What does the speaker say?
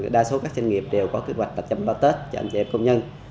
đa số các doanh nghiệp đều có kế hoạch tập chăm lo tết cho anh chị em công nhân